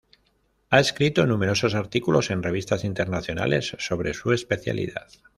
Ha escrito numerosos artículos en revistas internacionales sobre su especialidad.